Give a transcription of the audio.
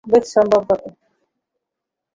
ওহ, desks, সম্ভবত।